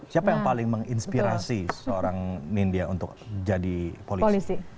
siapa yang paling menginspirasi seorang nindya untuk jadi polisi